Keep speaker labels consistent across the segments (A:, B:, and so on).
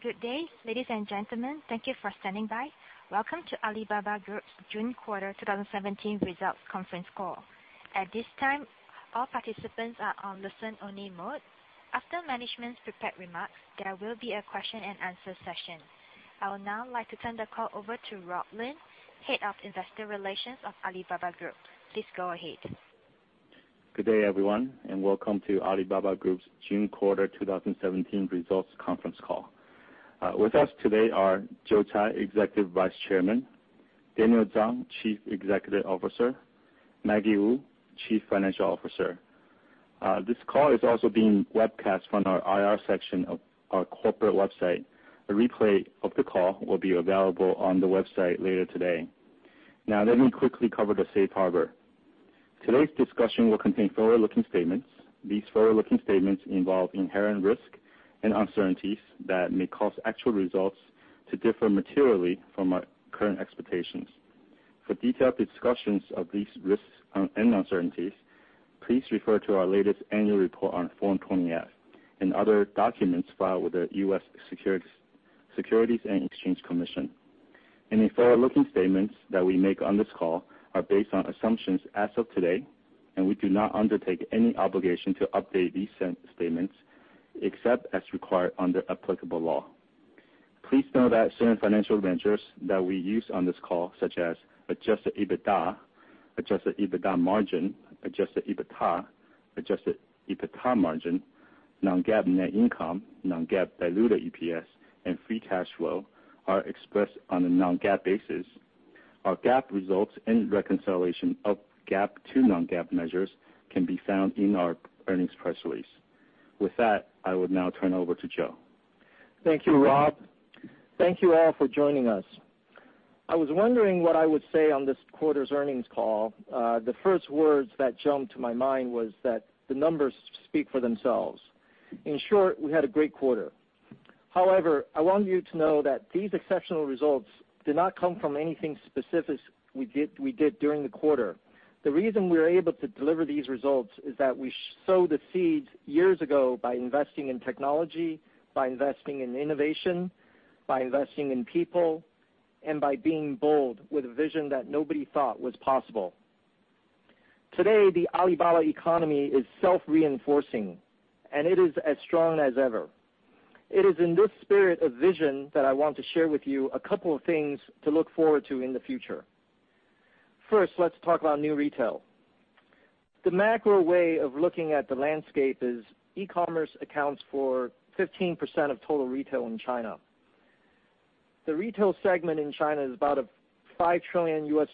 A: Good day, ladies and gentlemen. Thank you for standing by. Welcome to Alibaba Group's June quarter 2017 results conference call. At this time, all participants are on listen only mode. After management's prepared remarks, there will be a question and answer session. I would now like to turn the call over to Rob Lin, Head of Investor Relations of Alibaba Group. Please go ahead.
B: Good day, everyone, and welcome to Alibaba Group's June quarter 2017 results conference call. With us today are Joe Tsai, Executive Vice Chairman, Daniel Zhang, Chief Executive Officer, Maggie Wu, Chief Financial Officer. This call is also being webcast from our IR section of our corporate website. A replay of the call will be available on the website later today. Now, let me quickly cover the safe harbor. Today's discussion will contain forward-looking statements. These forward-looking statements involve inherent risk and uncertainties that may cause actual results to differ materially from our current expectations. For detailed discussions of these risks and uncertainties, please refer to our latest annual report on Form 20-F and other documents filed with the U.S. Securities and Exchange Commission. Any forward-looking statements that we make on this call are based on assumptions as of today, and we do not undertake any obligation to update these statements except as required under applicable law. Please note that certain financial measures that we use on this call, such as adjusted EBITDA, adjusted EBITDA margin, adjusted EBITA, adjusted EBITA margin, non-GAAP net income, non-GAAP diluted EPS, and free cash flow, are expressed on a non-GAAP basis. Our GAAP results and reconciliation of GAAP to non-GAAP measures can be found in our earnings press release. With that, I would now turn over to Joe.
C: Thank you, Rob. Thank you all for joining us. I was wondering what I would say on this quarter's earnings call. The first words that jumped to my mind was that the numbers speak for themselves. In short, we had a great quarter. However, I want you to know that these exceptional results did not come from anything specific we did during the quarter. The reason we are able to deliver these results is that we sowed the seeds years ago by investing in technology, by investing in innovation, by investing in people, and by being bold with a vision that nobody thought was possible. Today, the Alibaba economy is self-reinforcing, and it is as strong as ever. It is in this spirit of vision that I want to share with you a couple of things to look forward to in the future. First, let's talk about New Retail. The macro way of looking at the landscape is e-commerce accounts for 15% of total retail in China. The retail segment in China is about a $5 trillion U.S.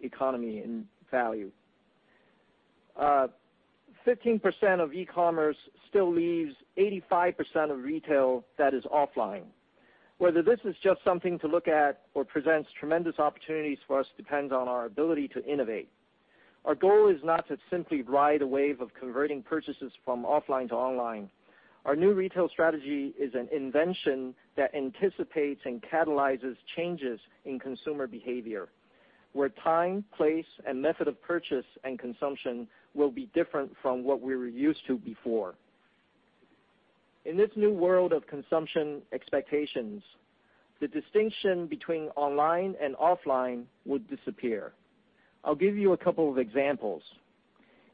C: economy in value. 15% of e-commerce still leaves 85% of retail that is offline. Whether this is just something to look at or presents tremendous opportunities for us depends on our ability to innovate. Our goal is not to simply ride a wave of converting purchases from offline to online. Our New Retail strategy is an invention that anticipates and catalyzes changes in consumer behavior, where time, place, and method of purchase and consumption will be different from what we were used to before. In this new world of consumption expectations, the distinction between online and offline would disappear. I'll give you a couple of examples.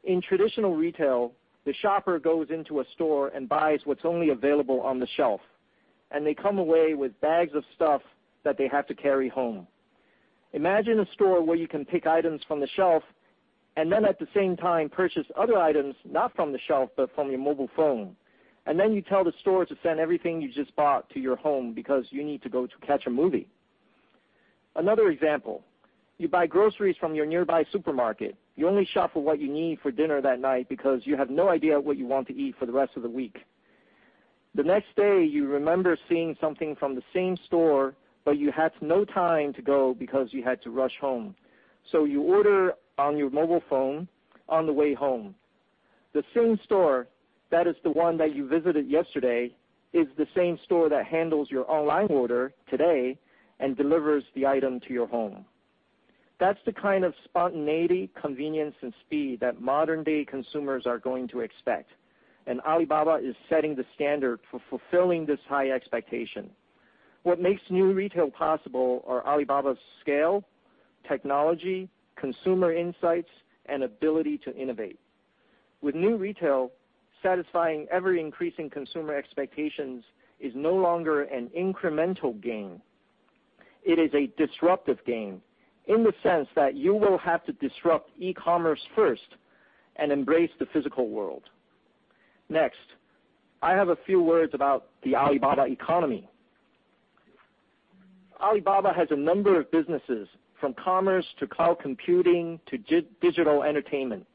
C: In traditional retail, the shopper goes into a store and buys what's only available on the shelf, and they come away with bags of stuff that they have to carry home. Imagine a store where you can pick items from the shelf and then at the same time purchase other items, not from the shelf, but from your mobile phone. Then you tell the store to send everything you just bought to your home because you need to go to catch a movie. Another example. You buy groceries from your nearby supermarket. You only shop for what you need for dinner that night because you have no idea what you want to eat for the rest of the week. The next day, you remember seeing something from the same store, but you had no time to go because you had to rush home. You order on your mobile phone on the way home. The same store, that is the one that you visited yesterday, is the same store that handles your online order today and delivers the item to your home. That's the kind of spontaneity, convenience, and speed that modern-day consumers are going to expect. Alibaba is setting the standard for fulfilling this high expectation. What makes New Retail possible are Alibaba's scale, technology, consumer insights, and ability to innovate. With New Retail, satisfying ever-increasing consumer expectations is no longer an incremental gain. It is a disruptive gain in the sense that you will have to disrupt e-commerce first and embrace the physical world. Next, I have a few words about the Alibaba economy. Alibaba has a number of businesses, from commerce to cloud computing to digital entertainment.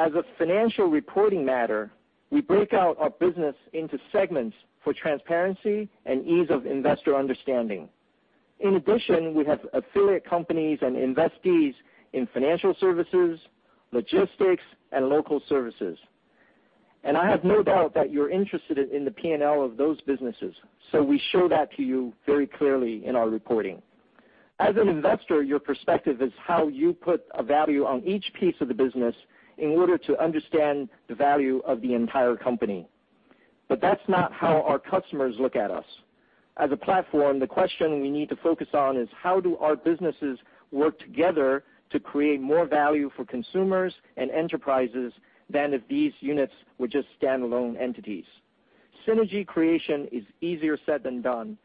C: As a financial reporting matter, we break out our business into segments for transparency and ease of investor understanding. In addition, we have affiliate companies and investees in financial services, logistics, and local services. I have no doubt that you're interested in the P&L of those businesses. We show that to you very clearly in our reporting. As an investor, your perspective is how you put a value on each piece of the business in order to understand the value of the entire company. That's not how our customers look at us. As a platform, the question we need to focus on is how do our businesses work together to create more value for consumers and enterprises than if these units were just standalone entities. Synergy creation is easier said than done,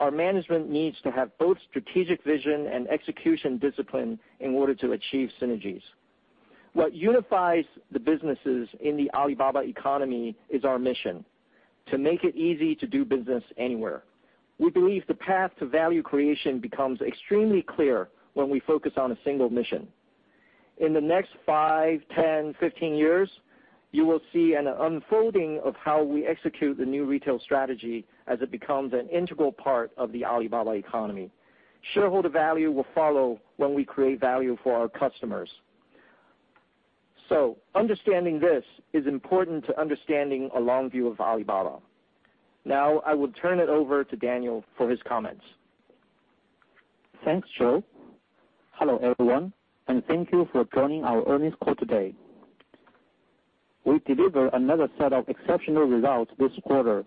C: Our management needs to have both strategic vision and execution discipline in order to achieve synergies. What unifies the businesses in the Alibaba economy is our mission: to make it easy to do business anywhere. We believe the path to value creation becomes extremely clear when we focus on a single mission. In the next five, 10, 15 years, you will see an unfolding of how we execute the New Retail strategy as it becomes an integral part of the Alibaba economy. Shareholder value will follow when we create value for our customers. Understanding this is important to understanding a long view of Alibaba. Now I will turn it over to Daniel for his comments.
D: Thanks, Joe. Hello, everyone, Thank you for joining our earnings call today. We delivered another set of exceptional results this quarter,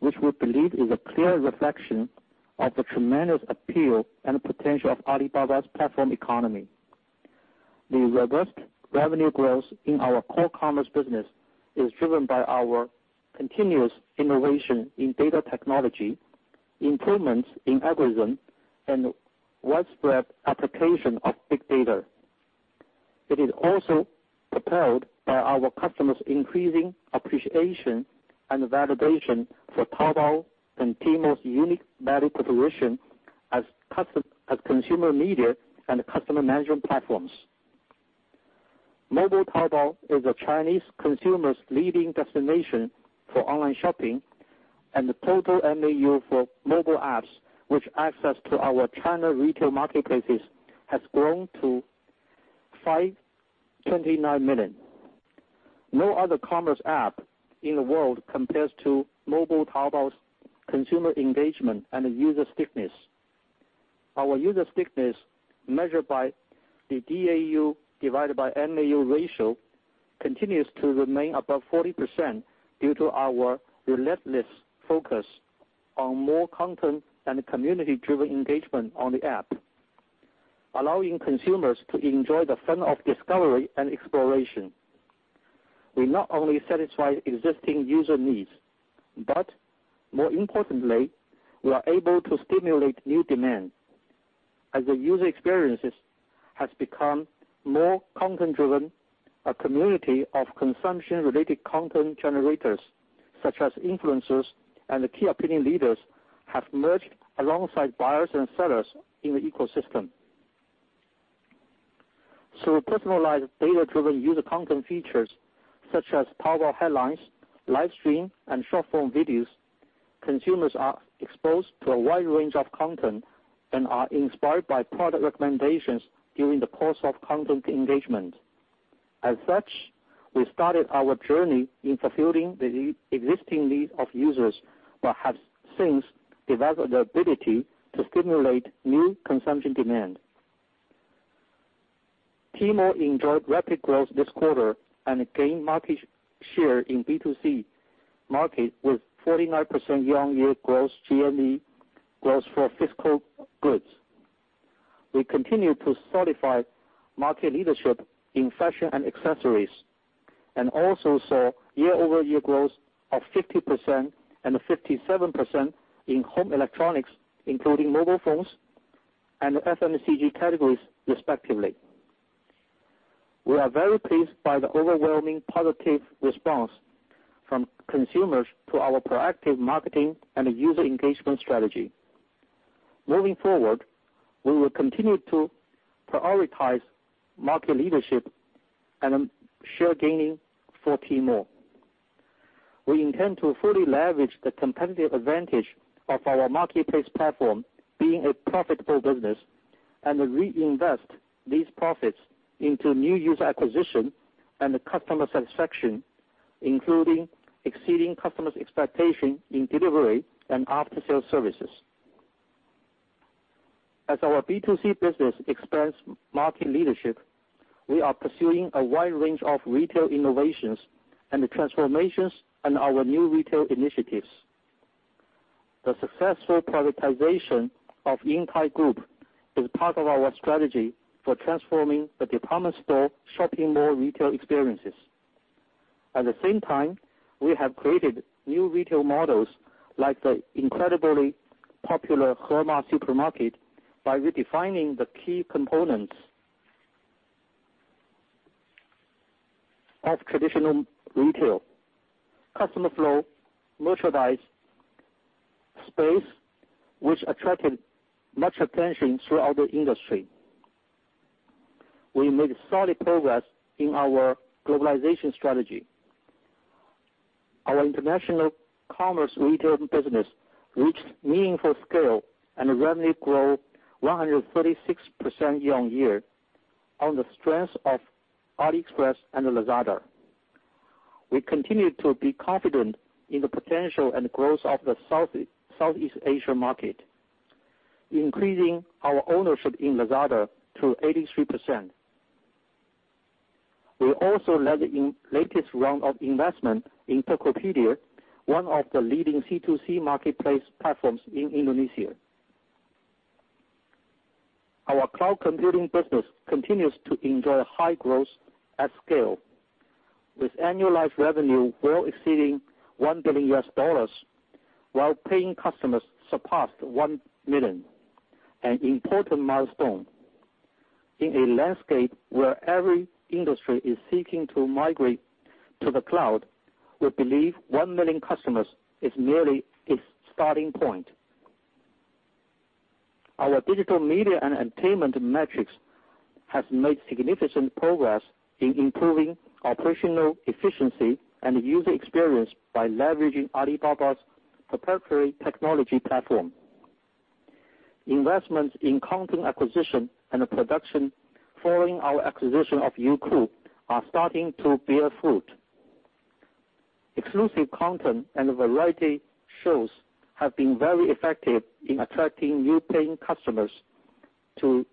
D: which we believe is a clear reflection of the tremendous appeal and potential of Alibaba's platform economy. The robust revenue growth in our core commerce business is driven by our continuous innovation in data technology, improvements in algorithm, Widespread application of big data. It is also propelled by our customers' increasing appreciation and validation for Taobao and Tmall's unique value proposition as consumer media and customer management platforms. Mobile Taobao is a Chinese consumer's leading destination for online shopping, The total MAU for mobile apps which access to our China retail marketplaces has grown to 529 million. No other commerce app in the world compares to Mobile Taobao's consumer engagement and user stickiness. Our user stickiness, measured by the DAU divided by MAU ratio, continues to remain above 40% due to our relentless focus on more content and community-driven engagement on the app, allowing consumers to enjoy the fun of discovery and exploration. We not only satisfy existing user needs, but more importantly, we are able to stimulate new demand. As the user experiences has become more content driven, a community of consumption-related content generators, such as influencers and key opinion leaders, have merged alongside buyers and sellers in the ecosystem. Through personalized data-driven user content features such as Taobao Headlines, livestream, and short-form videos, consumers are exposed to a wide range of content and are inspired by product recommendations during the course of content engagement. As such, we started our journey in fulfilling the existing needs of users, but have since developed the ability to stimulate new consumption demand. Tmall enjoyed rapid growth this quarter Gained market share in B2C market with 49% year-on-year growth, GMV growth for physical goods. We continued to solidify market leadership in fashion and accessories, Also saw year-over-year growth of 50% and 57% in home electronics, including mobile phones and FMCG categories respectively. We are very pleased by the overwhelming positive response from consumers to our proactive marketing and user engagement strategy. Moving forward, we will continue to prioritize market leadership and share gaining for Tmall. We intend to fully leverage the competitive advantage of our marketplace platform being a profitable business, Reinvest these profits into new user acquisition and customer satisfaction, including exceeding customers' expectation in delivery and after-sales services. As our B2C business expands market leadership, we are pursuing a wide range of retail innovations and transformations in our New Retail initiatives. The successful privatization of Intime Group is part of our strategy for transforming the department store shopping mall retail experiences. At the same time, we have created New Retail models like the incredibly popular Hema Supermarket by redefining the key components of traditional retail: customer flow, merchandise, space, which attracted much attention throughout the industry. We made solid progress in our globalization strategy. Our international commerce retail business reached meaningful scale and revenue grew 136% year-on-year on the strength of AliExpress and Lazada. We continue to be confident in the potential and growth of the Southeast Asia market, increasing our ownership in Lazada to 83%. We also led the latest round of investment in Tokopedia, one of the leading C2C marketplace platforms in Indonesia. Our cloud computing business continues to enjoy high growth at scale, with annualized revenue well exceeding $1 billion USD, while paying customers surpassed 1 million, an important milestone. In a landscape where every industry is seeking to migrate to the cloud, we believe 1 million customers is merely its starting point. Our digital media and entertainment metrics has made significant progress in improving operational efficiency and user experience by leveraging Alibaba's proprietary technology platform. Investments in content acquisition and production following our acquisition of Youku are starting to bear fruit. Exclusive content and variety shows have been very effective in attracting new paying customers to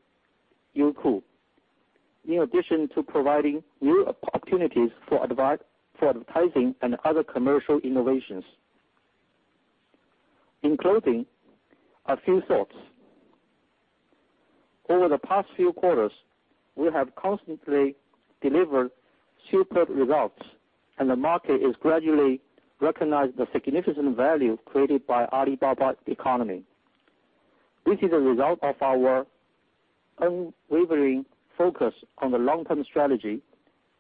D: Youku, in addition to providing new opportunities for advertising and other commercial innovations. In closing, a few thoughts. Over the past few quarters, we have consistently delivered superb results, and the market is gradually recognizing the significant value created by Alibaba economy. This is a result of our unwavering focus on the long-term strategy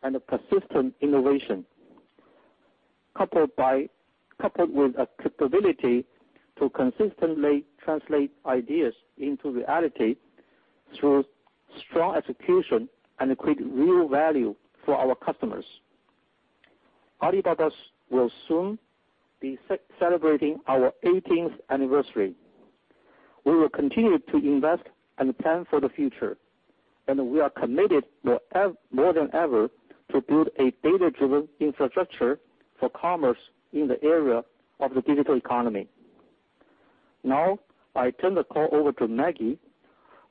D: and a persistent innovation, coupled with a capability to consistently translate ideas into reality through strong execution and create real value for our customers. Alibaba will soon be celebrating our 18th anniversary. We will continue to invest and plan for the future, and we are committed more than ever to build a data-driven infrastructure for commerce in the area of the digital economy. Now, I turn the call over to Maggie,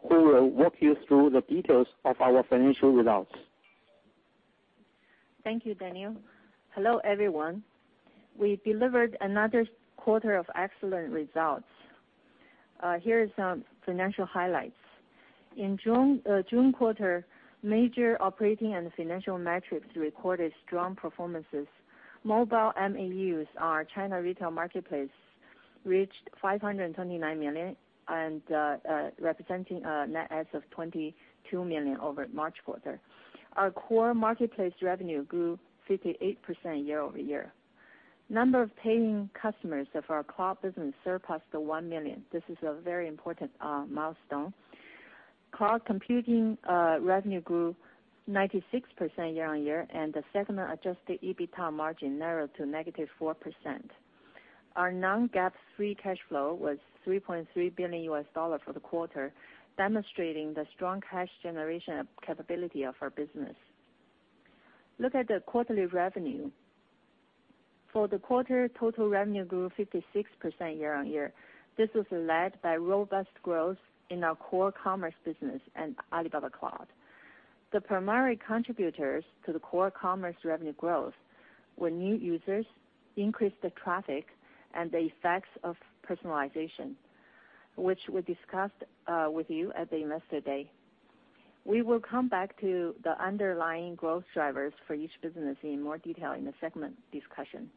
D: who will walk you through the details of our financial results.
E: Thank you, Daniel. Hello, everyone. We delivered another quarter of excellent results. Here are some financial highlights. In June quarter, major operating and financial metrics recorded strong performances. Mobile MAUs, our China retail marketplace, reached 529 million, and representing a net add of 22 million over March quarter. Our core marketplace revenue grew 58% year-over-year. Number of paying customers of our cloud business surpassed 1 million. This is a very important milestone. Cloud computing revenue grew 96% year-on-year, and the segment adjusted EBITDA margin narrowed to -4%. Our non-GAAP free cash flow was $3.3 billion USD for the quarter, demonstrating the strong cash generation capability of our business. Look at the quarterly revenue. For the quarter, total revenue grew 56% year-on-year. This was led by robust growth in our core commerce business and Alibaba Cloud. The primary contributors to the core commerce revenue growth were new users, increased traffic, and the effects of personalization, which we discussed with you at the Investor Day. We will come back to the underlying growth drivers for each business in more detail in the segment discussion.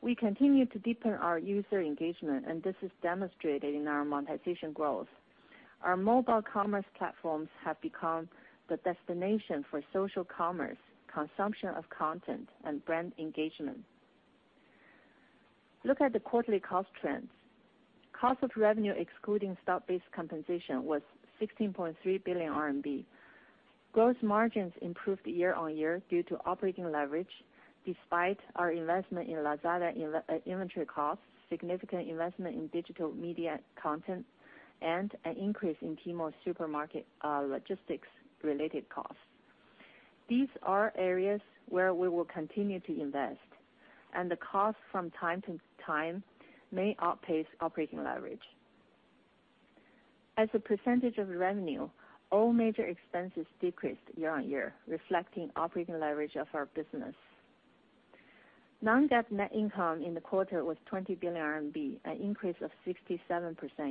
E: We continue to deepen our user engagement, this is demonstrated in our monetization growth. Our mobile commerce platforms have become the destination for social commerce, consumption of content, and brand engagement. Look at the quarterly cost trends. Cost of revenue excluding stock-based compensation was 16.3 billion RMB. Gross margins improved year-on-year due to operating leverage despite our investment in Lazada inventory costs, significant investment in digital media content, and an increase in Tmall Supermarket logistics related costs. These are areas where we will continue to invest, the cost from time to time may outpace operating leverage. As a percentage of revenue, all major expenses decreased year-on-year, reflecting operating leverage of our business. Non-GAAP net income in the quarter was 20 billion RMB, an increase of 67%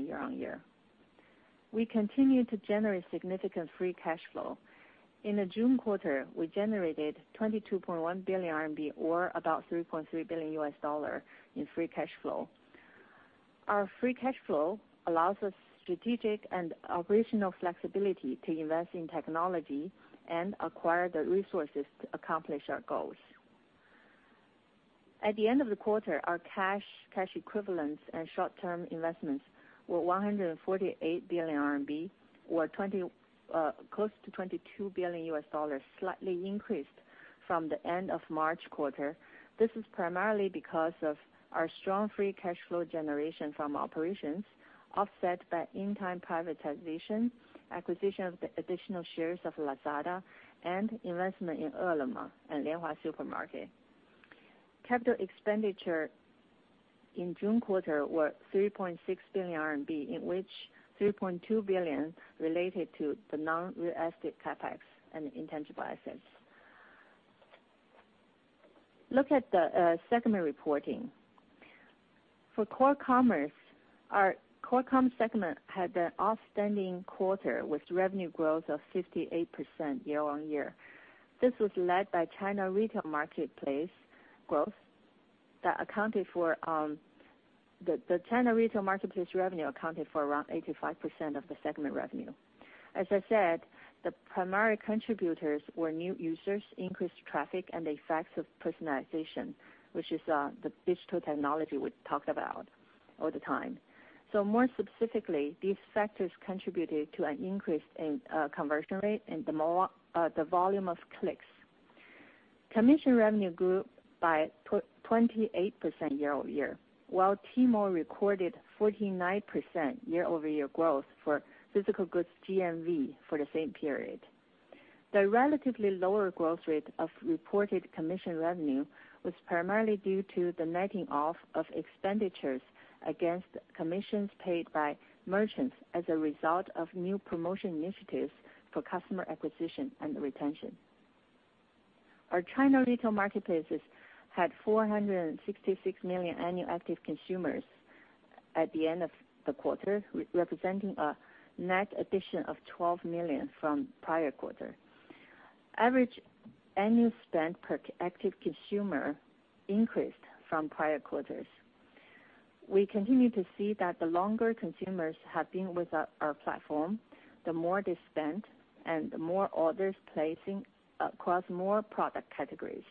E: year-on-year. We continue to generate significant free cash flow. In the June quarter, we generated 22.1 billion RMB or about $3.3 billion in free cash flow. Our free cash flow allows us strategic and operational flexibility to invest in technology and acquire the resources to accomplish our goals. At the end of the quarter, our cash equivalents, and short-term investments were 148 billion RMB or close to $22 billion, slightly increased from the end of March quarter. This is primarily because of our strong free cash flow generation from operations offset by in-kind privatization, acquisition of the additional shares of Lazada, and investment in Hema and Lianhua Supermarket. Capital expenditure in June quarter were 3.6 billion RMB, in which 3.2 billion related to the non-real estate CapEx and intangible assets. Look at the segment reporting. For core commerce, our core comm segment had an outstanding quarter with revenue growth of 58% year-on-year. This was led by China retail marketplace growth. The China retail marketplace revenue accounted for around 85% of the segment revenue. As I said, the primary contributors were new users, increased traffic, and the effects of personalization, which is the digital technology we talked about all the time. More specifically, these factors contributed to an increase in conversion rate and the volume of clicks. Commission revenue grew by 28% year-over-year, while Tmall recorded 49% year-over-year growth for physical goods GMV for the same period. The relatively lower growth rate of reported commission revenue was primarily due to the netting off of expenditures against commissions paid by merchants as a result of new promotion initiatives for customer acquisition and retention. Our China retail marketplaces had 466 million annual active consumers at the end of the quarter, representing a net addition of 12 million from the prior quarter. Average annual spend per active consumer increased from prior quarters. We continue to see that the longer consumers have been with our platform, the more they spend and the more orders placing across more product categories.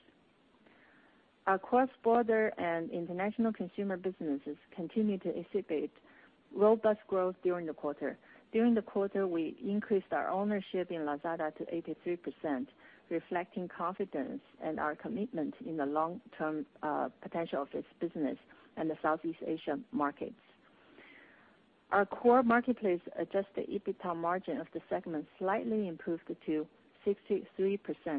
E: Our cross-border and international consumer businesses continued to exhibit robust growth during the quarter. During the quarter, we increased our ownership in Lazada to 83%, reflecting confidence in our commitment in the long-term potential of this business in the Southeast Asian markets. Our core marketplace adjusted EBITDA margin of the segment slightly improved to 63%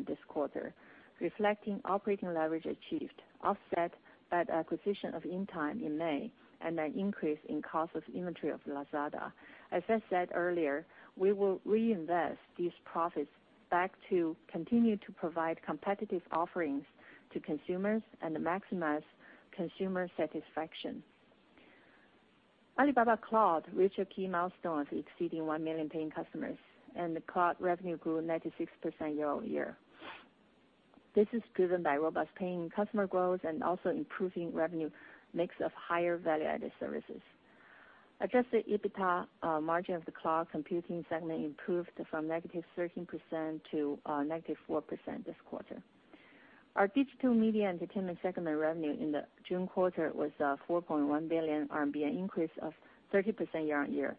E: this quarter, reflecting operating leverage achieved, offset by the acquisition of Intime in May and an increase in cost of inventory of Lazada. As I said earlier, we will reinvest these profits back to continue to provide competitive offerings to consumers and maximize consumer satisfaction. Alibaba Cloud reached a key milestone, exceeding 1 million paying customers, and the cloud revenue grew 96% year-over-year. This is driven by robust paying customer growth and also improving revenue mix of higher value-added services. Adjusted EBITDA margin of the cloud computing segment improved from negative 13% to negative 4% this quarter. Our digital media entertainment segment revenue in the June quarter was 4.1 billion RMB, an increase of 30% year-on-year.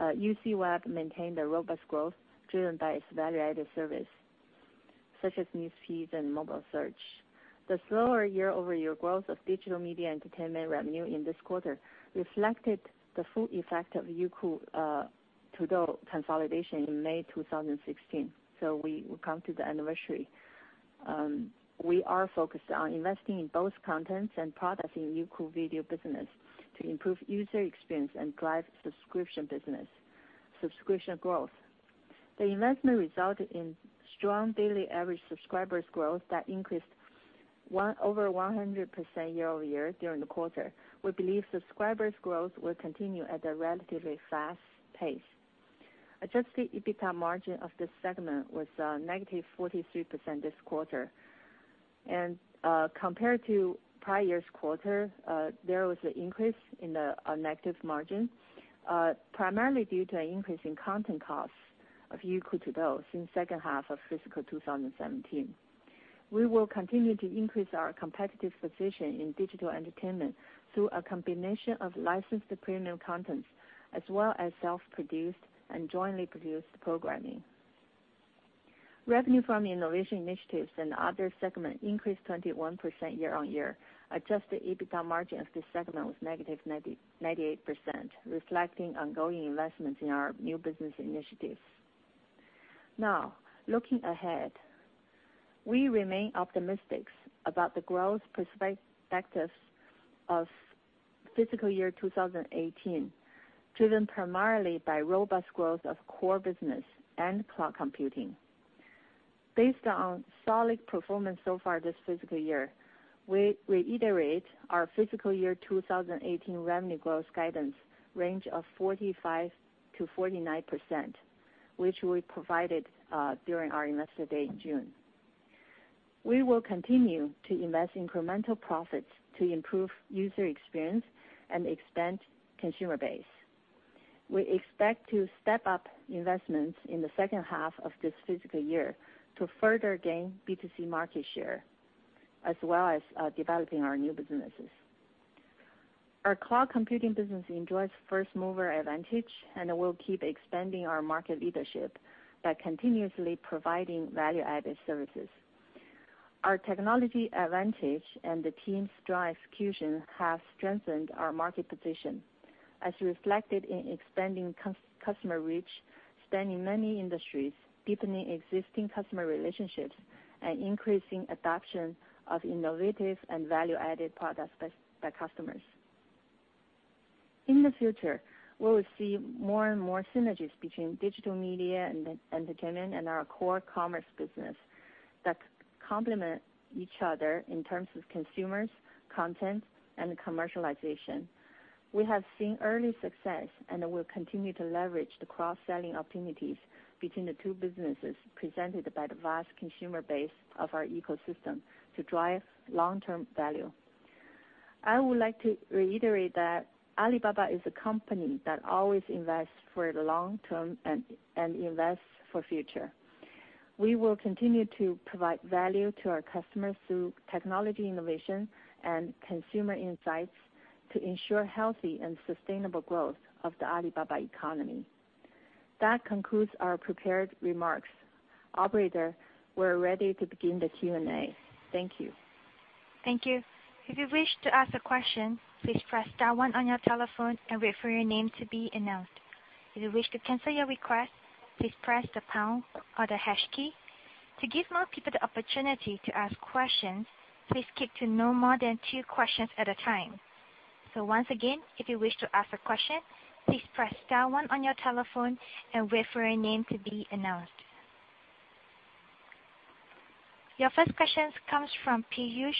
E: UCWeb maintained a robust growth driven by its value-added service, such as news feeds and mobile search. The slower year-over-year growth of digital media entertainment revenue in this quarter reflected the full effect of Youku Tudou consolidation in May 2016. We will come to the anniversary. We are focused on investing in both contents and products in Youku video business to improve user experience and drive subscription growth. The investment resulted in strong daily average subscribers growth that increased over 100% year-over-year during the quarter. We believe subscribers' growth will continue at a relatively fast pace. Adjusted EBITDA margin of this segment was negative 43% this quarter. Compared to prior year's quarter, there was an increase in the negative margin, primarily due to an increase in content costs of Youku Tudou since the second half of fiscal 2017. We will continue to increase our competitive position in digital entertainment through a combination of licensed premium contents as well as self-produced and jointly produced programming. Revenue from innovation initiatives and other segment increased 21% year-on-year. Adjusted EBITDA margin of this segment was negative 98%, reflecting ongoing investments in our new business initiatives. Looking ahead, we remain optimistic about the growth perspectives of fiscal year 2018, driven primarily by robust growth of core business and cloud computing. Based on solid performance so far this fiscal year, we reiterate our fiscal year 2018 revenue growth guidance range of 45%-49%, which we provided during our Investor Day in June. We will continue to invest incremental profits to improve user experience and expand consumer base. We expect to step up investments in the second half of this fiscal year to further gain B2C market share, as well as developing our new businesses. Our cloud computing business enjoys first-mover advantage, and we'll keep expanding our market leadership by continuously providing value-added services. Our technology advantage and the team's strong execution have strengthened our market position. As reflected in expanding customer reach, spanning many industries, deepening existing customer relationships, and increasing adoption of innovative and value-added products by customers. In the future, we will see more and more synergies between digital media and entertainment and our core commerce business that complement each other in terms of consumers, content, and commercialization. We have seen early success and will continue to leverage the cross-selling opportunities between the two businesses presented by the vast consumer base of our ecosystem to drive long-term value. I would like to reiterate that Alibaba is a company that always invests for the long term and invests for future. We will continue to provide value to our customers through technology innovation and consumer insights to ensure healthy and sustainable growth of the Alibaba economy. That concludes our prepared remarks. Operator, we're ready to begin the Q&A. Thank you.
A: Thank you. If you wish to ask a question, please press star one on your telephone and wait for your name to be announced. If you wish to cancel your request, please press the pound or the hash key. To give more people the opportunity to ask questions, please keep to no more than two questions at a time. Once again, if you wish to ask a question, please press star one on your telephone and wait for your name to be announced. Your first question comes from Piyush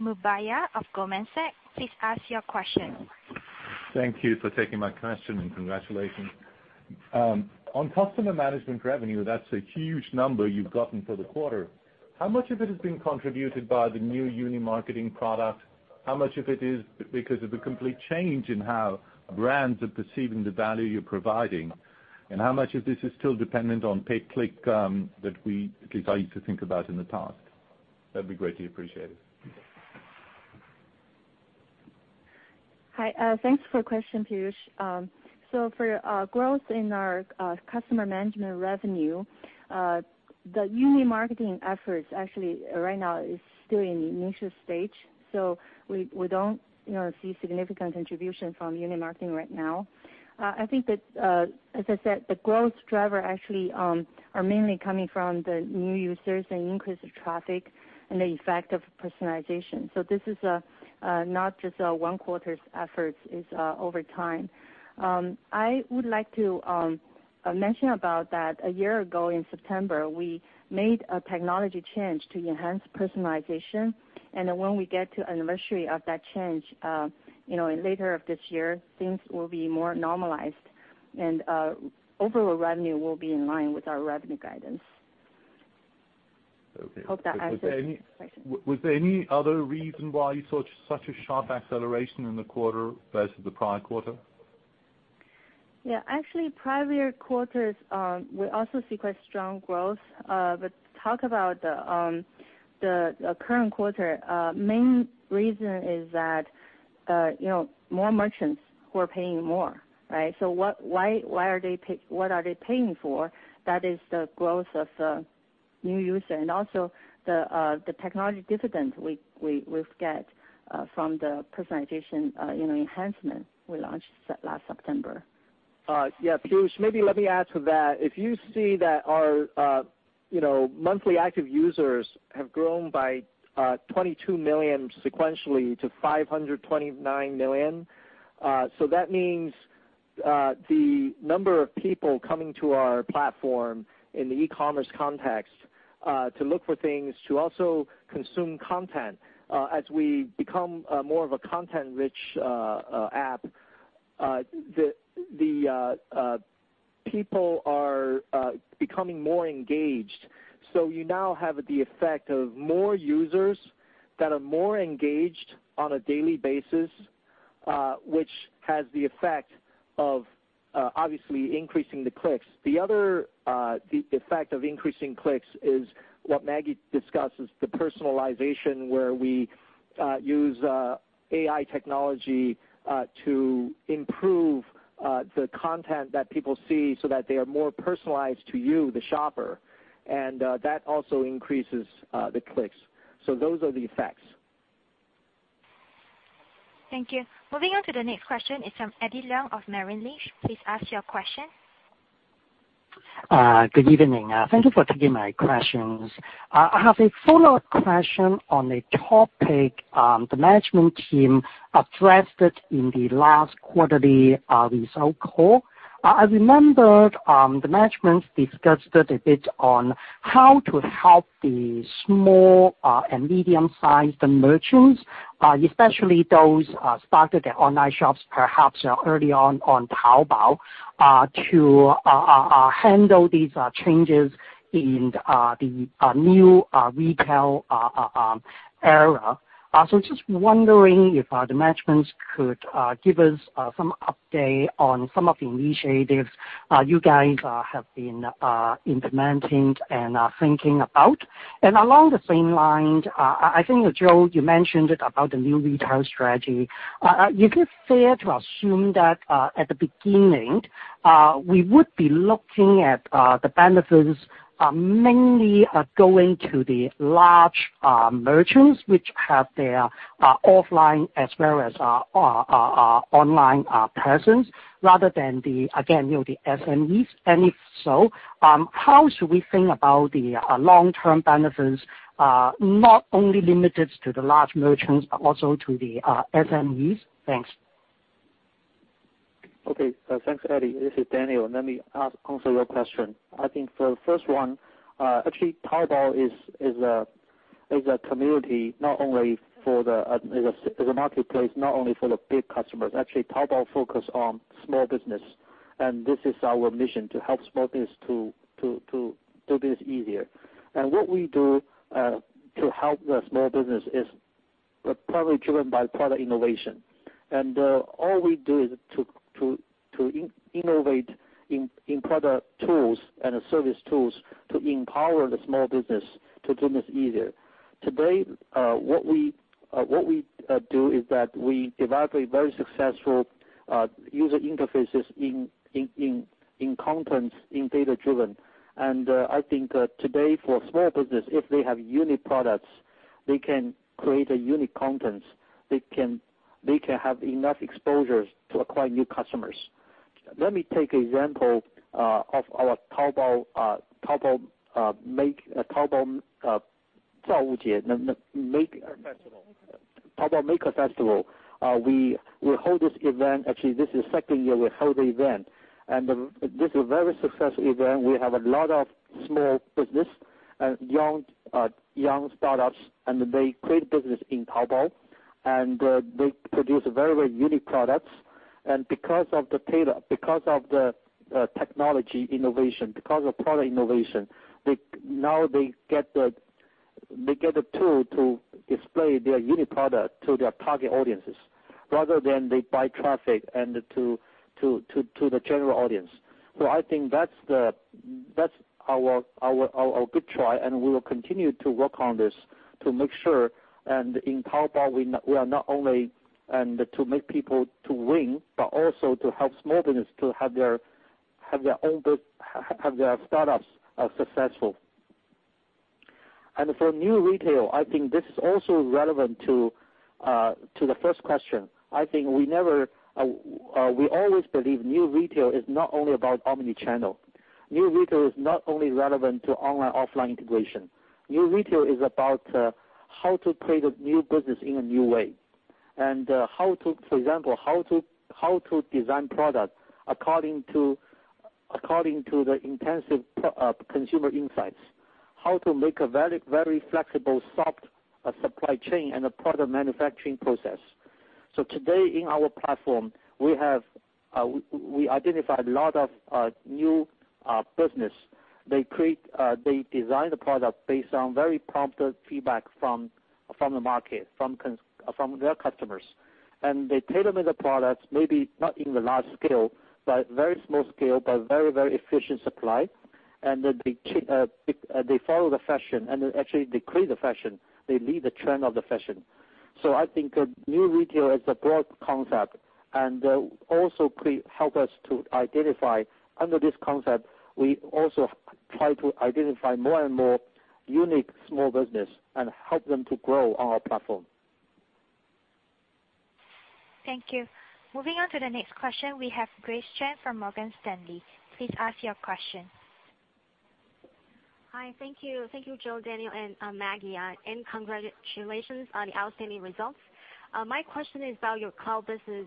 A: Mubayi of Goldman Sachs. Please ask your question.
F: Thank you for taking my question, congratulations. On customer management revenue, that's a huge number you've gotten for the quarter. How much of it has been contributed by the new Uni Marketing product? How much of it is because of the complete change in how brands are perceiving the value you're providing? How much of this is still dependent on pay click, that I used to think about in the past? That'd be greatly appreciated.
E: Hi. Thanks for question, Piyush. For our growth in our customer management revenue, the Uni Marketing efforts actually right now is still in the initial stage, we don't see significant contribution from Uni Marketing right now. I think that, as I said, the growth driver actually are mainly coming from the new users and increase of traffic and the effect of personalization. This is not just a one quarter's effort. It's over time. I would like to mention about that a year ago in September, we made a technology change to enhance personalization. When we get to anniversary of that change later this year, things will be more normalized and overall revenue will be in line with our revenue guidance.
F: Okay.
E: Hope that answers your question.
F: Was there any other reason why you saw such a sharp acceleration in the quarter versus the prior quarter?
E: Yeah. Actually, prior quarters, we also see quite strong growth. Talk about the current quarter, main reason is that more merchants who are paying more, right? What are they paying for? That is the growth of new user and also the technology dividend we've get from the personalization enhancement we launched last September.
C: Piyush, maybe let me add to that. If you see that our monthly active users have grown by 22 million sequentially to 529 million. That means the number of people coming to our platform in the e-commerce context to look for things, to also consume content. As we become more of a content-rich app, the people are becoming more engaged. You now have the effect of more users that are more engaged on a daily basis, which has the effect of obviously increasing the clicks. The other effect of increasing clicks is what Maggie discusses, the personalization, where we use AI technology to improve the content that people see so that they are more personalized to you, the shopper, and that also increases the clicks. Those are the effects.
A: Thank you. Moving on to the next question. It is from Eddie Leung of Merrill Lynch. Please ask your question.
G: Good evening. Thank you for taking my questions. I have a follow-up question on a topic the management team addressed in the last quarterly result call. I remembered the management discussed a bit on how to help the small and medium-sized merchants, especially those started their online shops perhaps early on Taobao, to handle these changes in the New Retail era. Just wondering if the management could give us some update on some of the initiatives you guys have been implementing and thinking about. Along the same lines, I think, Joe, you mentioned about the New Retail strategy. Is it fair to assume that at the beginning, we would be looking at the benefits mainly going to the large merchants which have their offline as well as online presence rather than the, again, the SMEs? If so, how should we think about the long-term benefits, not only limited to the large merchants, but also to the SMEs? Thanks.
D: Okay. Thanks, Eddie. This is Daniel. Let me answer your question. I think for the first one, actually, Taobao is a marketplace, not only for the big customers. Actually, Taobao focus on small business, and this is our mission, to help small business to do business easier. All we do is to innovate in product tools and service tools to empower the small business to do this easier. Today, what we do is that we develop a very successful user interfaces in content, in data-driven. I think today for small business, if they have unique products, they can create a unique content. They can have enough exposures to acquire new customers. Let me take example of our Taobao Maker Festival. We hold this event. Actually, this is second year we hold the event. This is a very successful event. We have a lot of small business and young startups. They create business in Taobao. They produce very unique products. Because of the technology innovation, because of product innovation, now they get the tool to display their unique product to their target audiences, rather than they buy traffic and to the general audience. I think that's our good try, and we will continue to work on this to make sure in Taobao, we are not only and to make people to win, but also to help small business to have their startups successful. For New Retail, I think this is also relevant to the first question. I think we always believe New Retail is not only about omni-channel. New Retail is not only relevant to online-offline integration. New Retail is about how to create a new business in a new way. For example, how to design product according to the intensive consumer insights. How to make a very flexible, soft supply chain and a product manufacturing process. Today in our platform, we identified a lot of new business. They design the product based on very prompted feedback from the market, from their customers. They tailor-made the products, maybe not in the large scale, but very small scale, but very efficient supply. They follow the fashion, then actually they create the fashion. They lead the trend of the fashion. I think New Retail is a broad concept and also help us to identify under this concept. We also try to identify more and unique small business and help them to grow on our platform.
A: Thank you. Moving on to the next question, we have Grace Chen from Morgan Stanley. Please ask your question.
H: Hi. Thank you. Thank you, Joe, Daniel, and Maggie. Congratulations on the outstanding results. My question is about your cloud business.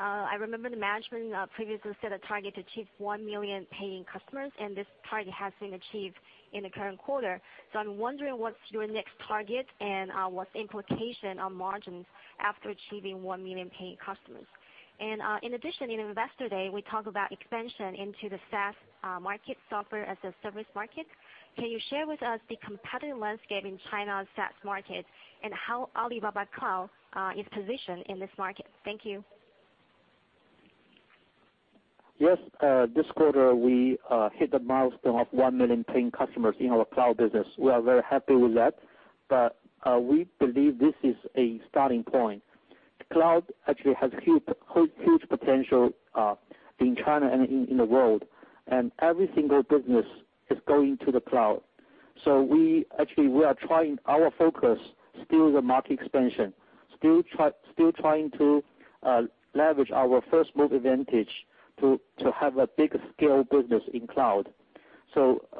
H: I remember the management previously set a target to achieve 1 million paying customers. This target has been achieved in the current quarter. I'm wondering what's your next target and what's the implication on margins after achieving 1 million paying customers? In addition, in Investor Day, we talked about expansion into the SaaS market software as a service market. Can you share with us the competitive landscape in China's SaaS market and how Alibaba Cloud is positioned in this market? Thank you.
D: Yes. This quarter we hit the milestone of 1 million paying customers in our cloud business. We are very happy with that. We believe this is a starting point. Cloud actually has huge potential in China and in the world. Every single business is going to the cloud. Actually we are trying our focus still the market expansion, still trying to leverage our first-move advantage to have a big scale business in cloud.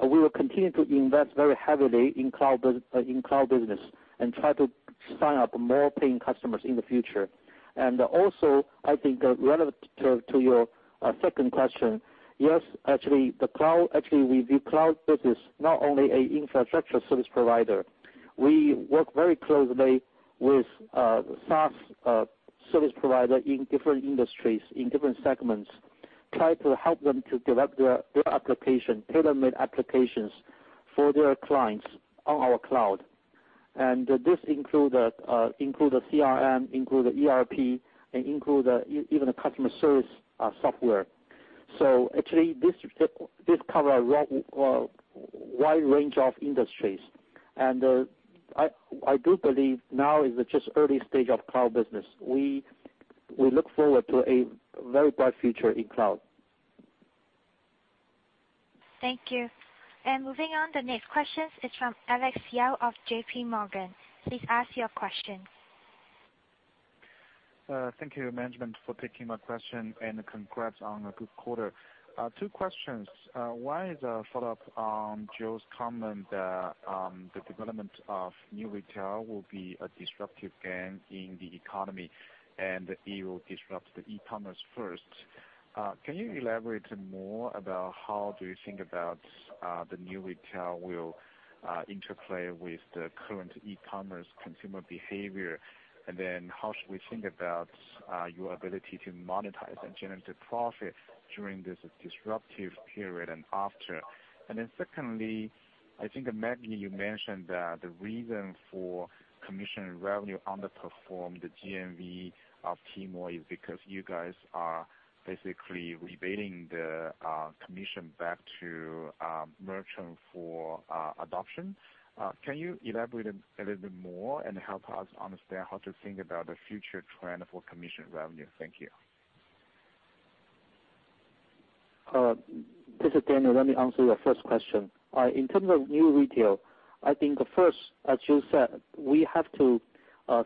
D: We will continue to invest very heavily in cloud business and try to sign up more paying customers in the future. Also, I think relevant to your second question, yes, actually the cloud business, not only a infrastructure service provider. We work very closely with SaaS service provider in different industries, in different segments, try to help them to develop their application, tailor-made applications for their clients on our cloud. This include CRM, include ERP, and include even a customer service software. Actually, this cover a wide range of industries. I do believe now is just early stage of cloud business. We look forward to a very bright future in cloud.
A: Thank you. Moving on, the next question is from Alex Yao of J.P. Morgan. Please ask your question.
I: Thank you, management, for taking my question and congrats on a good quarter. Two questions. One is a follow-up on Joe's comment. The development of New Retail will be a disruptive gain in the economy, and it will disrupt the e-commerce first. Can you elaborate more about how do you think about the New Retail will interplay with the current e-commerce consumer behavior? Then how should we think about your ability to monetize and generate the profit during this disruptive period and after? Then secondly, I think, Maggie, you mentioned that the reason for commission revenue underperformed the GMV of Tmall is because you guys are basically rebating the commission back to merchant for adoption. Can you elaborate a little bit more and help us understand how to think about the future trend for commission revenue? Thank you.
D: This is Daniel. Let me answer your first question. In terms of New Retail, I think first, as you said, we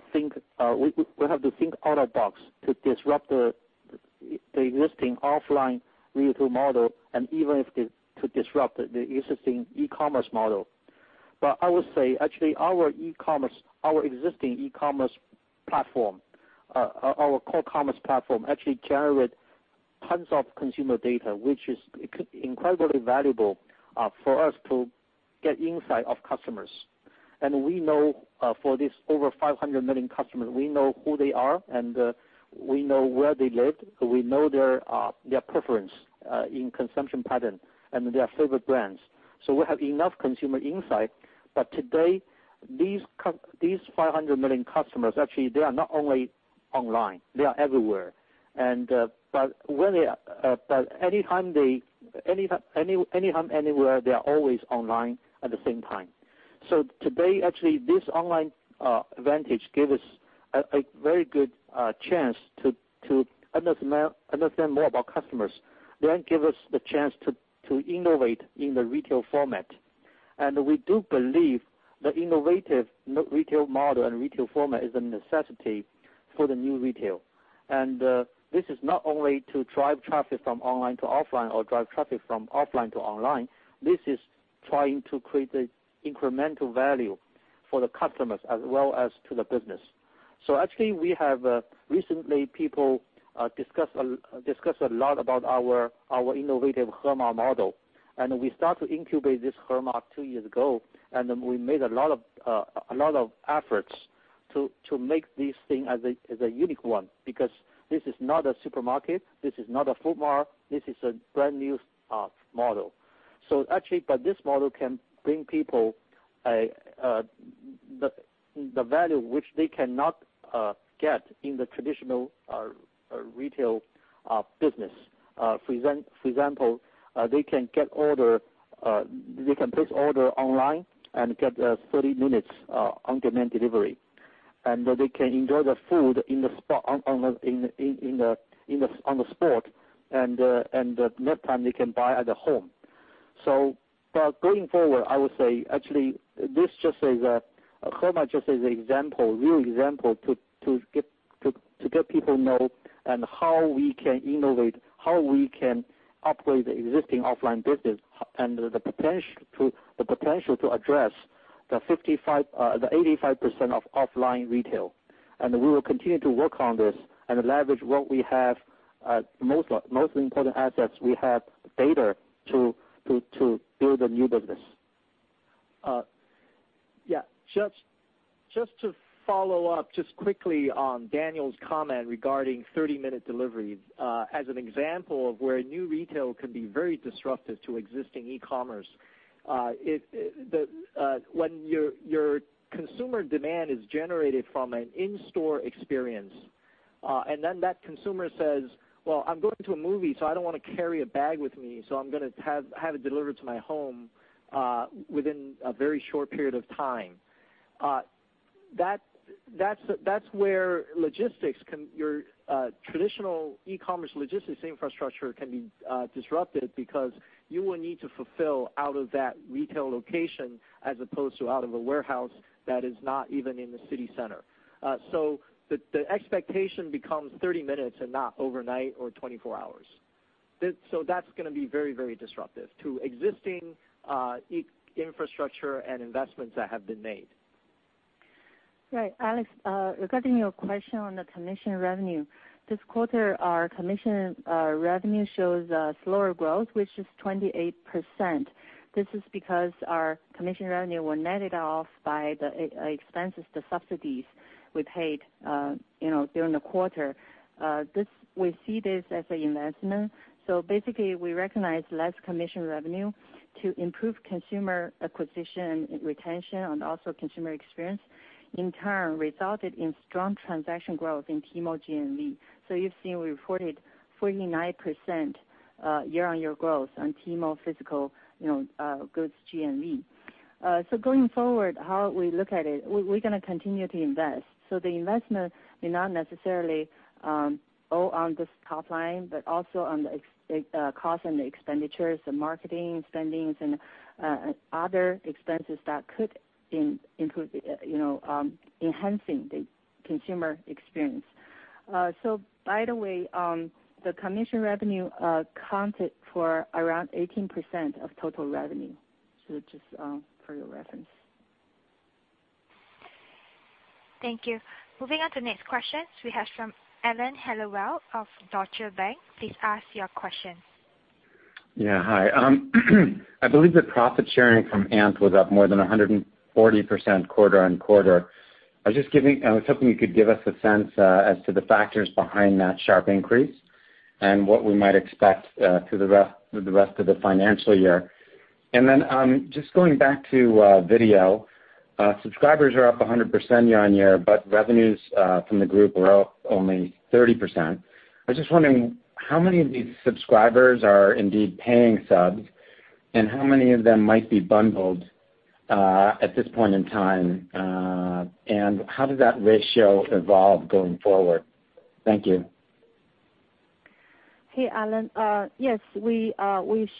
D: have to think out of the box to disrupt the existing offline retail model and even to disrupt the existing e-commerce model. I would say, actually, our existing e-commerce platform, our core commerce platform, actually generate tons of consumer data, which is incredibly valuable for us to get insight of customers. We know for these over 500 million customers, we know who they are, and we know where they live. We know their preference in consumption pattern and their favorite brands. We have enough consumer insight. Today, these 500 million customers, actually, they are not only online, they are everywhere. Anytime, anywhere, they are always online at the same time. Today, actually, this online advantage gave us a very good chance to understand more about customers, give us the chance to innovate in the retail format. We do believe the innovative retail model and retail format is a necessity for the New Retail. This is not only to drive traffic from online to offline or drive traffic from offline to online. This is trying to create the incremental value for the customers as well as to the business. Actually, we have recently, people discussed a lot about our innovative Hema model, we start to incubate this Hema 2 years ago, we made a lot of efforts to make this thing as a unique one. This is not a supermarket, this is not a food mart, this is a brand-new model. Actually, this model can bring people the value which they cannot get in the traditional retail business. For example, they can place order online and get 30 minutes on-demand delivery. They can enjoy the food on the spot and next time they can buy at the home. Going forward, I would say, actually, Hema just as an example, real example to get people know how we can innovate, how we can upgrade the existing offline business and the potential to address the 85% of offline retail. We will continue to work on this and leverage what we have, most important assets we have, data, to build a new business.
C: Just to follow up, just quickly on Daniel's comment regarding 30-minute delivery. As an example of where New Retail can be very disruptive to existing e-commerce. When your consumer demand is generated from an in-store experience, then that consumer says, "Well, I'm going to a movie, I don't want to carry a bag with me, I'm gonna have it delivered to my home within a very short period of time." That's where your traditional e-commerce logistics infrastructure can be disrupted because you will need to fulfill out of that retail location as opposed to out of a warehouse that is not even in the city center. The expectation becomes 30 minutes and not overnight or 24 hours. That's gonna be very disruptive to existing infrastructure and investments that have been made.
E: Alex, regarding your question on the commission revenue. This quarter, our commission revenue shows a slower growth, which is 28%. This is because our commission revenue was netted off by the expenses, the subsidies we paid during the quarter. We see this as an investment. Basically, we recognize less commission revenue to improve consumer acquisition, retention, and also consumer experience, in turn, resulted in strong transaction growth in Tmall GMV. You've seen we reported 49% year-on-year growth on Tmall physical goods GMV. Going forward, how we look at it, we are going to continue to invest. The investment may not necessarily owe on this top line, but also on the cost and the expenditures, the marketing spendings and other expenses that could include enhancing the consumer experience. By the way, the commission revenue accounted for around 18% of total revenue. Just for your reference.
A: Thank you. Moving on to next questions we have from Alan Hellawell of Deutsche Bank. Please ask your question.
J: Hi. I believe that profit sharing from Ant was up more than 140% quarter-on-quarter. I was hoping you could give us a sense as to the factors behind that sharp increase and what we might expect through the rest of the financial year. Just going back to video, subscribers are up 100% year-on-year, but revenues from the group were up only 30%. I was just wondering how many of these subscribers are indeed paying subs, and how many of them might be bundled at this point in time. How does that ratio evolve going forward? Thank you.
E: Hey, Alan. Yes, we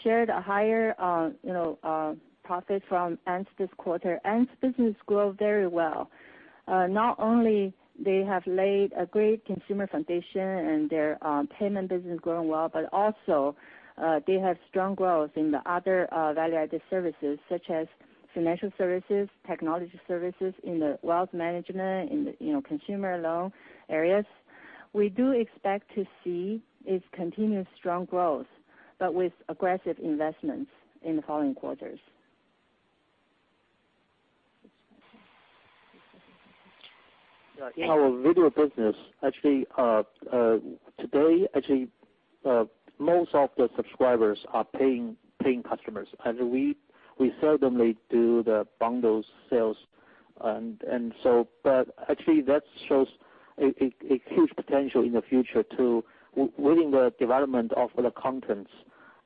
E: shared a higher profit from Ant this quarter. Ant's business grew very well. Not only they have laid a great consumer foundation and their payment business is growing well, but also, they have strong growth in the other value-added services such as financial services, technology services in the wealth management, in the consumer loan areas. We do expect to see its continuous strong growth, but with aggressive investments in the following quarters.
D: Yeah. Our video business today, actually, most of the subscribers are paying customers. We seldomly do the bundle sales. Actually that shows a huge potential in the future to building the development of the contents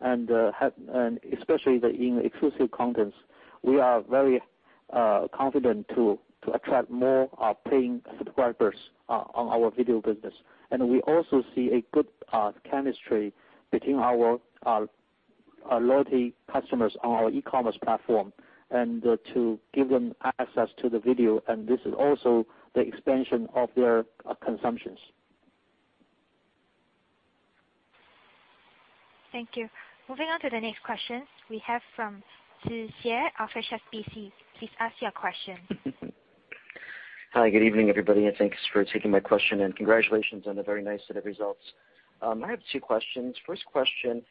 D: and especially in exclusive contents. We are very confident to attract more paying subscribers on our video business. We also see a good chemistry between our loyalty customers on our e-commerce platform and to give them access to the video, and this is also the expansion of their consumptions.
A: Thank you. Moving on to the next questions we have from Chi of HSBC. Please ask your question.
K: Hi, good evening, everybody, thanks for taking my question and congratulations on the very nice set of results. I have two questions. First question,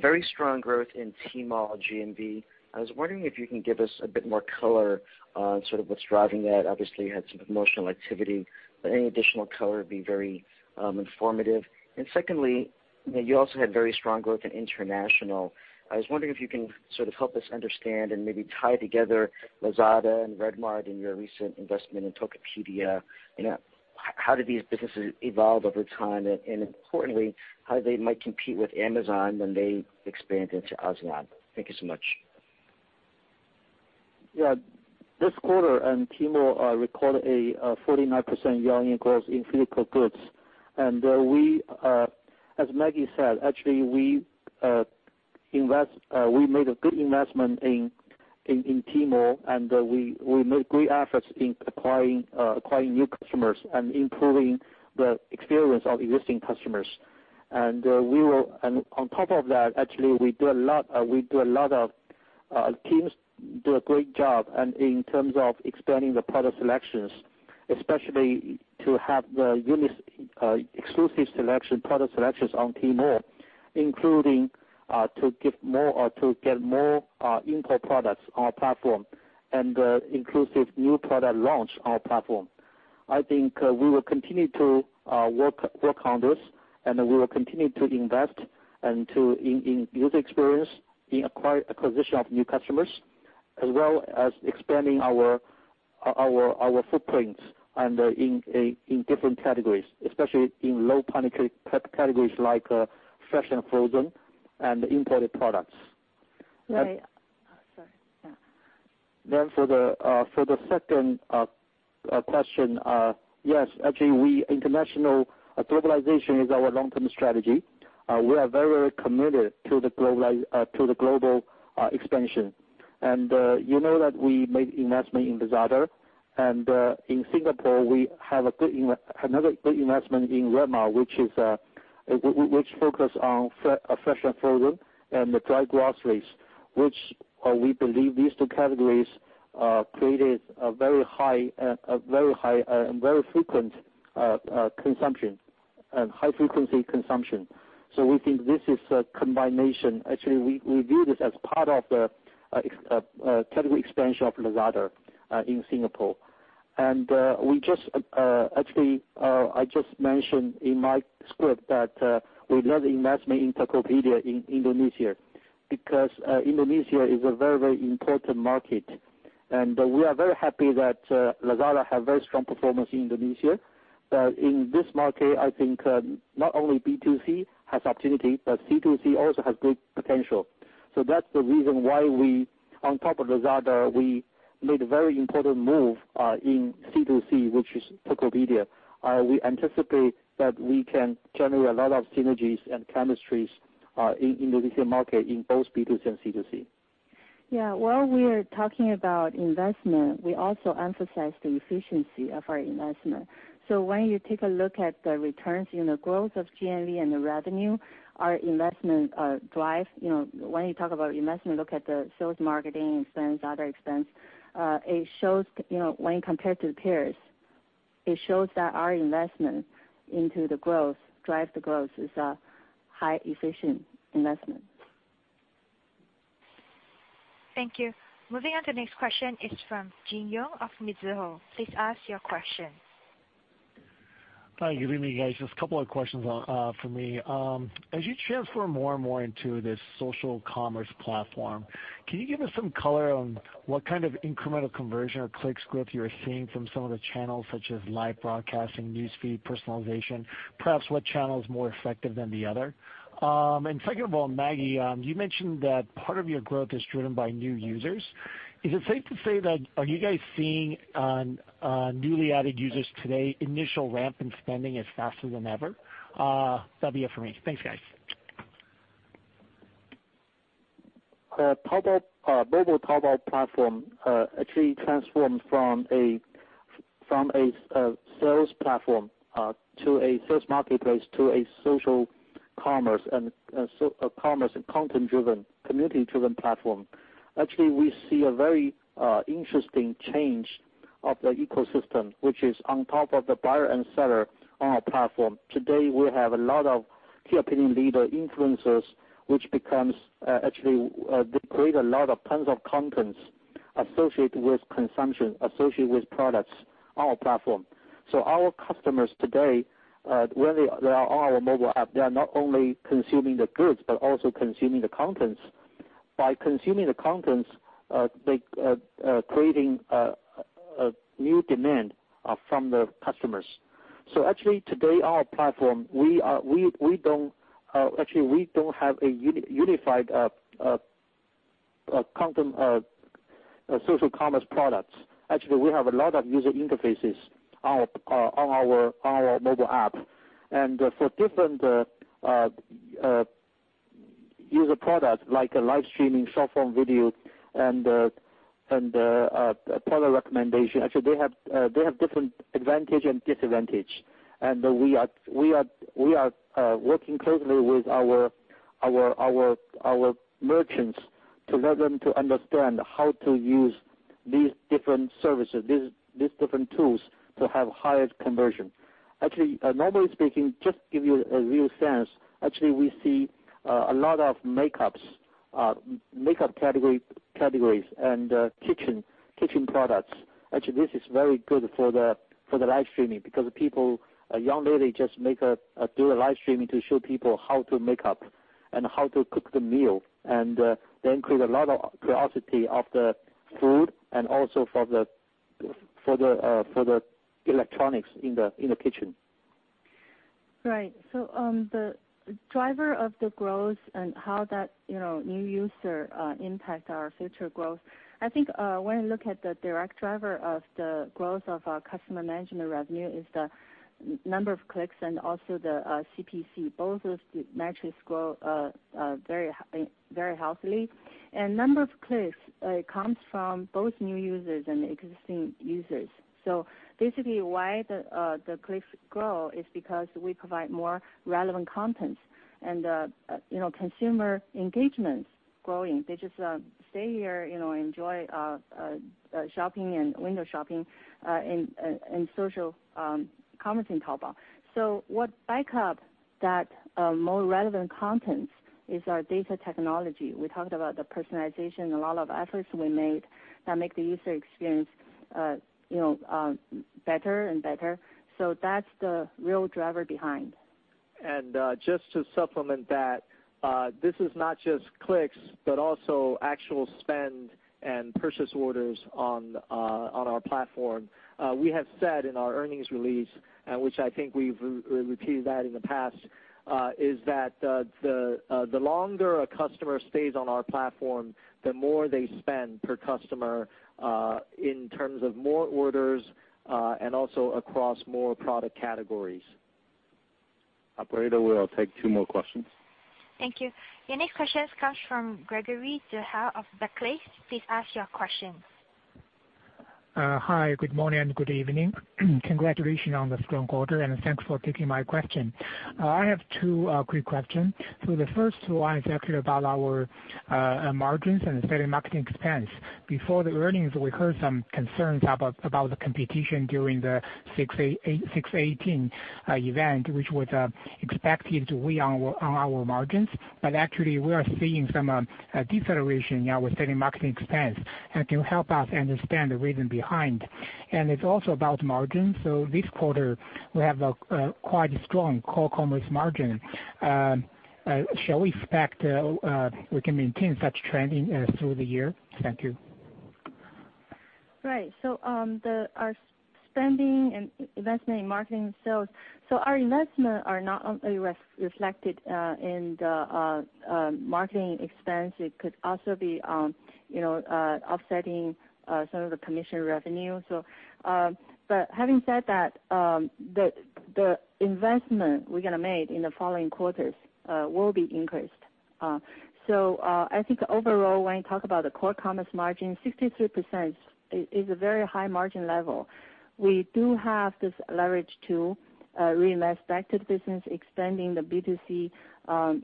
K: very strong growth in Tmall GMV. I was wondering if you can give us a bit more color on sort of what's driving that. Obviously, you had some promotional activity, but any additional color would be very informative. Secondly, you also had very strong growth in international. I was wondering if you can sort of help us understand and maybe tie together Lazada and RedMart and your recent investment in Tokopedia, how do these businesses evolve over time? Importantly, how they might compete with Amazon when they expand into ASEAN. Thank you so much.
D: Yeah. This quarter in Tmall recorded a 49% year-on-year growth in physical goods. As Maggie said, actually we made a good investment in Tmall, and we made great efforts in acquiring new customers and improving the experience of existing customers. On top of that, actually our teams do a great job in terms of expanding the product selections, especially to have the unique exclusive product selections on Tmall, including to get more import products on our platform and inclusive new product launch on our platform. I think we will continue to work on this, we will continue to invest in user experience, in acquisition of new customers, as well as expanding our footprints in different categories, especially in low categories like fresh and frozen and imported products.
E: Sorry. Yeah.
D: For the second question, yes, actually, international globalization is our long-term strategy. We are very committed to the global expansion. You know that we made investment in Lazada and in Singapore we have another good investment in RedMart, which focus on fresh and frozen and the dry groceries, which we believe these two categories created a very high and very frequent consumption, and high-frequency consumption. We think this is a combination. Actually, we view this as part of the category expansion of Lazada in Singapore. Actually, I just mentioned in my script that we love investment in Tokopedia in Indonesia because Indonesia is a very, very important market. We are very happy that Lazada have very strong performance in Indonesia. In this market, I think not only B2C has opportunity, but C2C also has good potential. That's the reason why on top of Lazada, we made a very important move in C2C, which is Tokopedia. We anticipate that we can generate a lot of synergies and chemistries in Indonesia market in both B2C and C2C.
E: Yeah. While we are talking about investment, we also emphasize the efficiency of our investment. When you take a look at the returns in the growth of GMV and the revenue, our investment drive, when you talk about investment, look at the sales, marketing expense, other expense, it shows when compared to the peers
D: It shows that our investment into the growth, drive the growth, is a high efficient investment.
A: Thank you. Moving on to the next question is from Jialong Shi of Mizuho. Please ask your question.
L: Hi, good evening, guys. Just a couple of questions for me. As you transfer more and more into this social commerce platform, can you give us some color on what kind of incremental conversion or click-through you're seeing from some of the channels, such as live broadcasting, news feed, personalization, perhaps what channel is more effective than the other? Second of all, Maggie, you mentioned that part of your growth is driven by new users. Is it safe to say that, are you guys seeing newly added users today, initial ramp in spending is faster than ever? That'll be it for me. Thanks, guys.
D: Mobile Taobao platform actually transformed from a sales platform, to a sales marketplace, to a social commerce and content-driven, community-driven platform. Actually, we see a very interesting change of the ecosystem, which is on top of the buyer and seller on our platform. Today, we have a lot of key opinion leader influencers, which actually create a lot of tons of contents associated with consumption, associated with products on our platform. Our customers today, when they are on our mobile app, they are not only consuming the goods but also consuming the contents. By consuming the contents, they creating new demand from the customers. Actually today our platform, actually we don't have a unified content social commerce products. Actually, we have a lot of user interfaces on our mobile app. For different user product, like a live streaming, short-form video, and product recommendation, actually, they have different advantage and disadvantage. We are working closely with our merchants to let them to understand how to use these different services, these different tools to have higher conversion. Normally speaking, just to give you a real sense, we see a lot of makeup categories and kitchen products. This is very good for the live streaming because people, a young lady just do a live streaming to show people how to makeup and how to cook the meal. They include a lot of curiosity of the food and also for the electronics in the kitchen.
E: Right. The driver of the growth and how that new user impact our future growth, I think when you look at the direct driver of the growth of our customer management revenue is the number of clicks and also the CPC. Both of the metrics grow very healthily. Number of clicks comes from both new users and existing users. Basically, why the clicks grow is because we provide more relevant content and consumer engagement's growing. They just stay here, enjoy shopping and window shopping in social commerce in Taobao. What back up that more relevant content is our data technology. We talked about the personalization and a lot of efforts we made that make the user experience better and better. That's the real driver behind.
C: Just to supplement that, this is not just clicks, but also actual spend and purchase orders on our platform. We have said in our earnings release, and which I think we've repeated that in the past, is that the longer a customer stays on our platform, the more they spend per customer in terms of more orders, and also across more product categories.
B: Operator, we will take two more questions.
A: Thank you. Your next question comes from Gregory Zhao of Barclays. Please ask your question.
M: Hi, good morning and good evening. Congratulations on the strong quarter, and thanks for taking my question. I have two quick question. The first one is actually about our margins and selling marketing expense. Before the earnings, we heard some concerns about the competition during the 618 event, which was expected to weigh on our margins. Actually, we are seeing some deceleration in our selling marketing expense. Can you help us understand the reason behind? It's also about margin. This quarter, we have a quite strong core commerce margin. Shall we expect we can maintain such trending through the year? Thank you.
E: Right. Our spending and investment in marketing and sales. Our investment are not only reflected in the marketing expense, it could also be offsetting some of the commission revenue. Having said that, the investment we're going to make in the following quarters will be increased. I think overall, when you talk about the core commerce margin, 63% is a very high margin level. We do have this leverage to reinvest back to the business, extending the B2C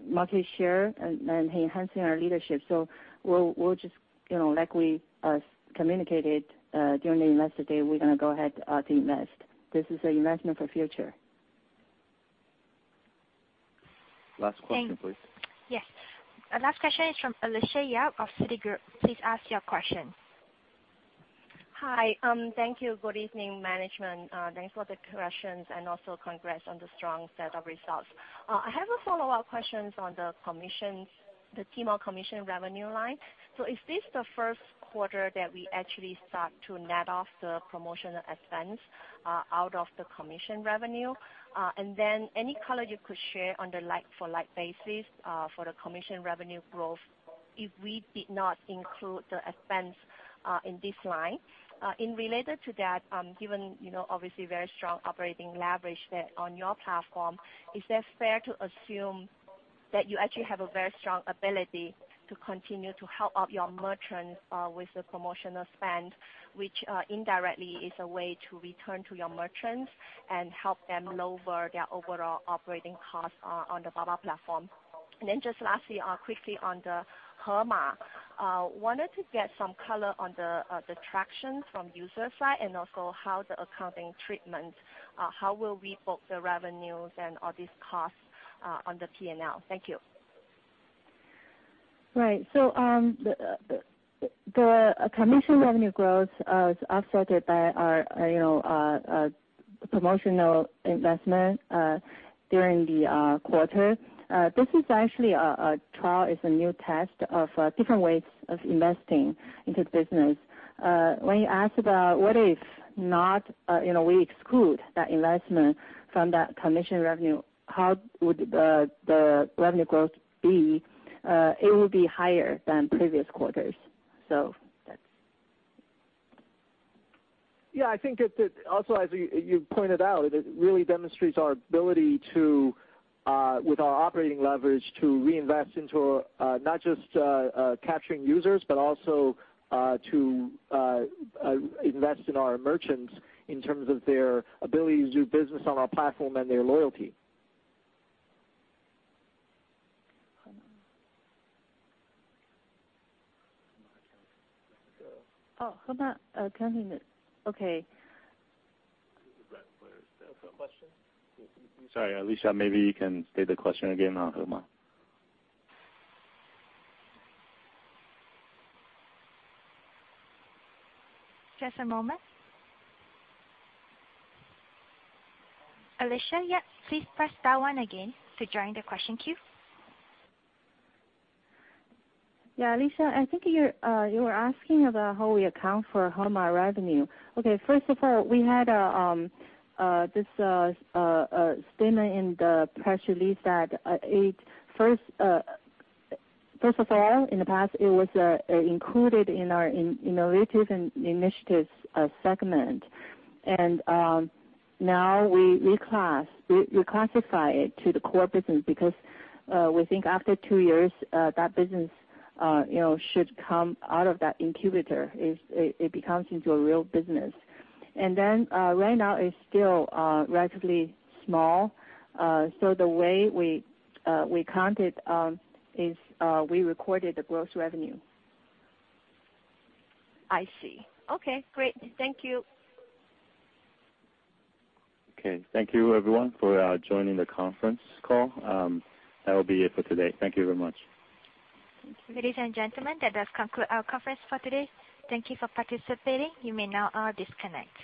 E: market share and enhancing our leadership. We'll just, like we communicated during the Investor Day, we're going to go ahead to invest. This is an investment for future.
B: Last question, please.
A: Yes. Last question is from Alicia Yap of Citigroup. Please ask your question.
N: Hi. Thank you. Good evening, management. Thanks for the presentation and also congrats on the strong set of results. I have a follow-up question on the Tmall commission revenue line. Is this the first quarter that we actually start to net off the promotional expense out of the commission revenue? Any color you could share on the like-for-like basis for the commission revenue growth if we did not include the expense in this line? Related to that, given obviously very strong operating leverage on your platform, is that fair to assume that you actually have a very strong ability to continue to help out your merchants with the promotional spend, which indirectly is a way to return to your merchants and help them lower their overall operating costs on the Baba platform. Just lastly, quickly on the Hema. I wanted to get some color on the traction from user side and also how the accounting treatment, how will we book the revenues and all these costs on the P&L? Thank you.
E: Right. The commission revenue growth is offset by our promotional investment during the quarter. This is actually a trial. It's a new test of different ways of investing into the business. When you ask about what if we exclude that investment from that commission revenue, how would the revenue growth be? It will be higher than previous quarters.
C: Yeah, I think also, as you pointed out, it really demonstrates our ability with our operating leverage to reinvest into not just capturing users, but also to invest in our merchants in terms of their ability to do business on our platform and their loyalty.
E: Hema.
B: Hema accounting.
E: Oh, Hema accounting. Okay.
B: Is that a question? Sorry, Alicia, maybe you can state the question again on Hema.
A: Just a moment. Alicia Yap, please press star one again to join the question queue.
E: Yeah. Alicia, I think you were asking about how we account for Hema revenue. Okay. First of all, we had this statement in the press release that first of all, in the past, it was included in our innovative and initiatives segment. Now we reclassify it to the core business because we think after two years, that business should come out of that incubator. It becomes into a real business. Then right now, it's still relatively small. The way we count it is we recorded the gross revenue.
N: I see. Okay, great. Thank you.
B: Okay. Thank you everyone for joining the conference call. That will be it for today. Thank you very much.
A: Ladies and gentlemen, that does conclude our conference for today. Thank you for participating. You may now all disconnect.